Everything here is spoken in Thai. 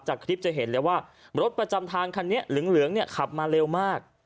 คลิปจะเห็นเลยว่ารถประจำทางคันนี้เหลืองเนี่ยขับมาเร็วมาก